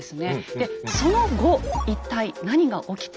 でその後一体何が起きていたのか。